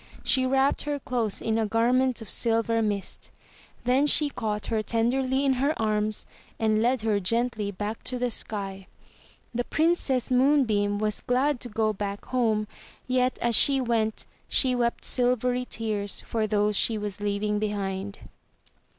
She wrapped her close in a garment of silver mist. Then she caught her tenderly in her arms, and led her gently back to the sky. The Princess Moonbeam was glad to go back home, yet as she went, she wept silvery tears for those she was leaving behind.